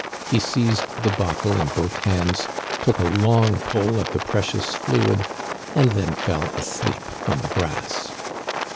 He seized the bottle in both hands, took a long pull at the precious fluid, and then fell asleep on the grass.